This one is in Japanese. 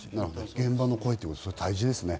現場の声は大事ですね。